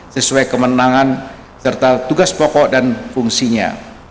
sesuai kemenangan serta tugas pokok dan fungsinya